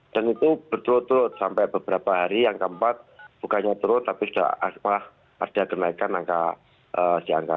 dan itu berterut terut sampai beberapa hari angka empat bukannya terut tapi sudah ada kenaikan di angka lima